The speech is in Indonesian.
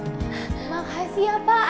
makasih ya pak